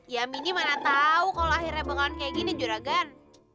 ya mini mana tau kalo akhirnya bengalan kayak gini juragen